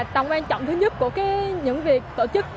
tầm quan trọng thứ nhất của những việc tổ chức